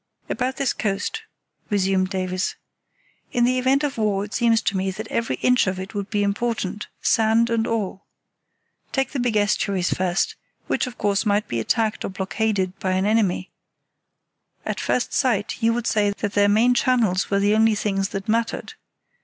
"About this coast," resumed Davies. "In the event of war it seems to me that every inch of it would be important, sand and all. Take the big estuaries first, which, of course, might be attacked or blockaded by an enemy. At first sight you would say that their main channels were the only things that mattered.